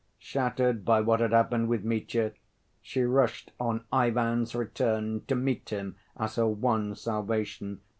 Shattered by what had happened with Mitya, she rushed on Ivan's return to meet him as her one salvation.